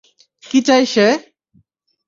কী চায় সে?